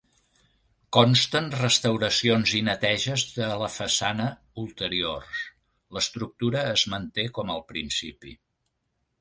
Consten restauracions i neteges de la façana ulteriors; l'estructura es manté com al principi.